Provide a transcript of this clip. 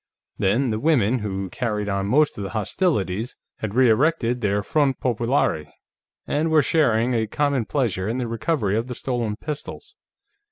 Then, the women, who carried on most of the hostilities, had re erected their front populaire and were sharing a common pleasure in the recovery of the stolen pistols.